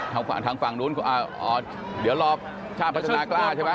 ทางฝั่งนู้นเดี๋ยวรอชาติพัฒนากล้าใช่ไหม